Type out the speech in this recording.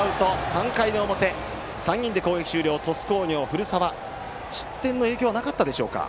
３回の表、３人で攻撃終了鳥栖工業、古澤失点の影響はなかったでしょうか。